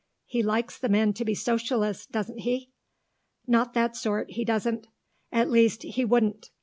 He likes the men to be Socialists, doesn't he?" "Not that sort, he doesn't. At least, he wouldn't.